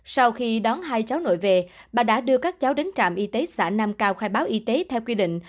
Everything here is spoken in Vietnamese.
sau khi đón hai cháu nội về bà đã đưa các cháu đến trạm y tế xã nam cao khai báo y tế theo quy định